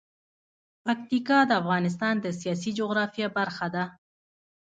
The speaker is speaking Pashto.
پکتیکا د افغانستان د سیاسي جغرافیه برخه ده.